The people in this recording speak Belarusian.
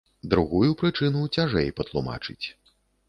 Другую прычыну цяжэй патлумачыць.